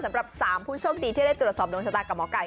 สำหรับ๓ผู้โชคดีที่ได้ตรวจสอบดวงชะตากับหมอไก่